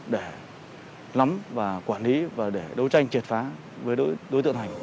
để lắm và quản lý và đấu tranh triệt phá với đối tượng thành